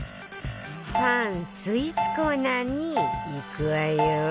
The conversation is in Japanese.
パン・スイーツコーナーに行くわよ